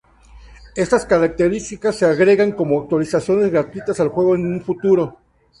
Estas características se agregarán como actualizaciones gratuitas al juego en un futuro.